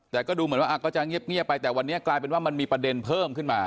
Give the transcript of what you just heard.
แต่ก็ดูเหมือนว่าก็จะเงียบไปแต่วันนี้กลายเป็นว่ามันมีประเด็นเพิ่มขึ้นมา